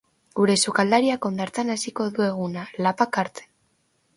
Gure sukaldariak hondartzan hasiko du eguna, lapak hartzen.